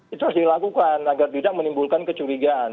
itu harus dilakukan agar tidak menimbulkan kecurigaan